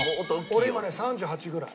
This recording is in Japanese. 俺今ね３８ぐらい。